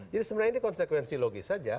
jadi sebenarnya ini konsekuensi logis saja